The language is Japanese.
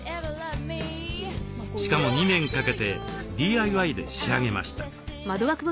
しかも２年かけてＤＩＹで仕上げました。